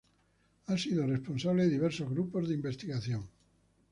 Ha sido responsable de diversos grupos de investigación.